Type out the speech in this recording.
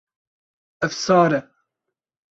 Ev sar e.